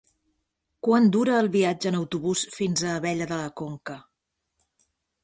Quant dura el viatge en autobús fins a Abella de la Conca?